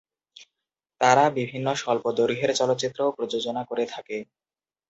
তারা বিভিন্ন স্বল্পদৈর্ঘ্যের চলচ্চিত্রও প্রযোজনা করে থাকে।